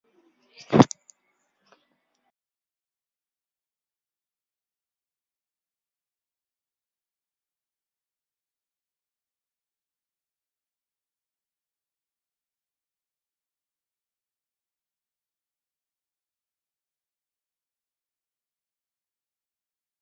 This salty water then sinks and mixes to possibly form new water masses.